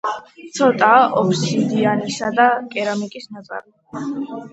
ცოტაა ობსიდიანისა და კერამიკის ნაწარმი.